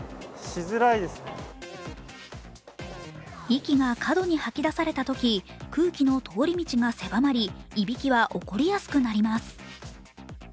息が過度に吐き出されたとき空気の通り道が狭まりいびきは起こりやすくなります。